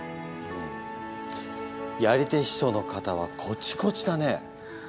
やり手秘書の肩はコチコチだね！